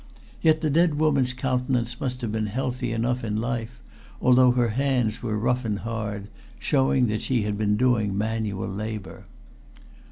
Yet the dead woman's countenance must have been healthy enough in life, although her hands were rough and hard, showing that she had been doing manual labor.